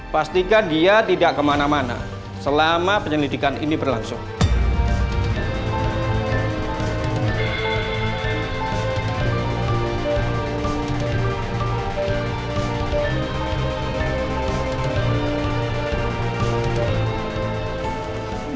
pastikan dia tidak kemana mana selama penyelidikan ini berlangsung